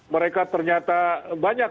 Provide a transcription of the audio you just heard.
mereka ternyata banyak